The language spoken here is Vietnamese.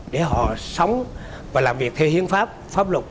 để họ sống và làm việc theo hiến pháp pháp luật